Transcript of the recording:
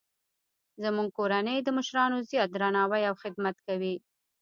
زموږ کورنۍ د مشرانو زیات درناوی او خدمت کوي